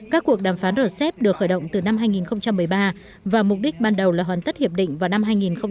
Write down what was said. các cuộc đàm phán rcep được khởi động từ năm hai nghìn một mươi ba và mục đích ban đầu là hoàn tất hiệp định vào năm hai nghìn một mươi